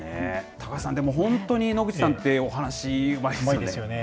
高橋さん、本当に野口さんって、お話うまいですよね。